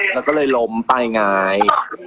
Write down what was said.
แล้วก็เลยล้มไปไง